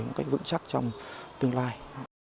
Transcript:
một cách vững chắc trong tương lai